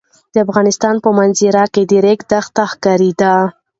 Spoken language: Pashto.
د افغانستان په منظره کې د ریګ دښتې ښکاره ده.